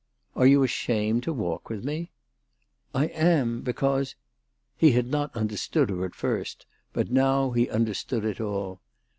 "Are you ashamed to walk with me ?"" I am, because He had not understood her at first, but now he understood it all.